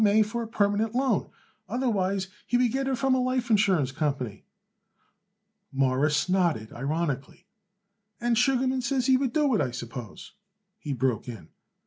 for a permanent loan. Otherwise he would get it from a life insurance company." Morris nodded ironically. "And Sugarman says he would do it, I suppose," he broke in.